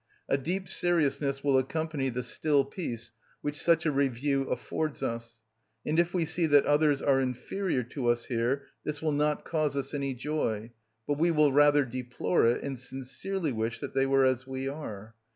A deep seriousness will accompany the still peace which such a review affords us; and if we see that others are inferior to us here, this will not cause us any joy, but we will rather deplore it, and sincerely wish that they were as we are.